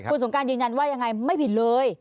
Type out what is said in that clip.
คุณสงการยืนยันว่ายังไงไม่ผิดเลย